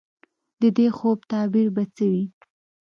د دې خوب تعبیر به څه وي ؟